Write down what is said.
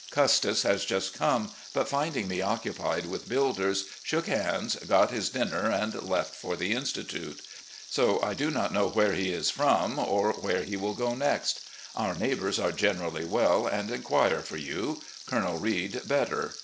Custis has just come, but finding me occupied with builders, shook hands, got his dinner, and left for the Institute. So I do not know where he is from or where he will go next. Our neighbours are generally well, and inquire for you. Colonel Reid better.